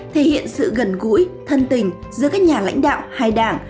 thể hiện sự gần gũi thân tình giữa các nhà lãnh đạo hai đảng